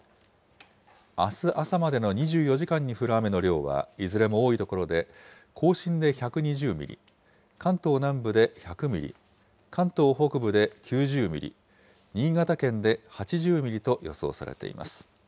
あす朝までの２４時間に降る雨の量は、いずれも多い所で、甲信で１２０ミリ、関東南部で１００ミリ、関東北部で９０ミリ、新潟県で８０ミリと予想されています。